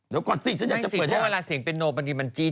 เดี๋ยวก่อนสิฉันอยากจะเปิดที่นี่